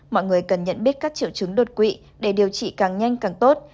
mọi người cần nhận biết các triệu chứng đột quỵ để điều trị càng nhanh càng tốt